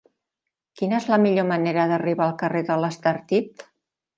Quina és la millor manera d'arribar al carrer de l'Estartit?